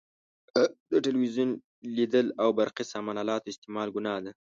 د تلویزیون لیدل او برقي سامان الاتو استعمال ګناه ده.